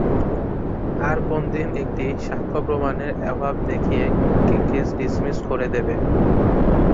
আর কোনো একদিন সাক্ষ্যপ্রমাণের অভাব দেখিয়ে কেস ডিসমিস করে দেবে।